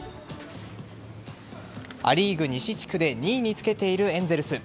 ア・リーグ西地区で２位につけているエンゼルス。